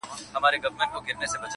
زما تر ټولو امیرانو معتبره!.